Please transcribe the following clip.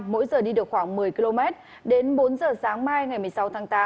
mỗi giờ đi được khoảng một mươi km đến bốn giờ sáng mai ngày một mươi sáu tháng tám